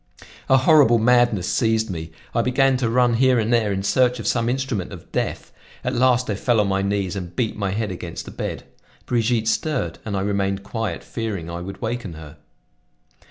A horrible madness seized me; I began to run here and there in search of some instrument of death. At last I fell on my knees and beat my head against the bed. Brigitte stirred and I remained quiet, fearing I would waken her.